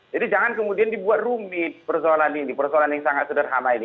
jadi jangan kemudian dibuat rumit persoalan ini persoalan yang sangat sederhana ini